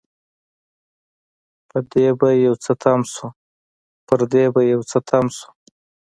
پر دې به يو څه تم شو.